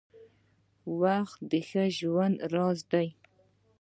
• وخت د ښه ژوند راز دی.